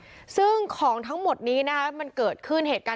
ซึ่งของทั้งหมดนี้นะคะมันเกิดขึ้นเหตุการณ์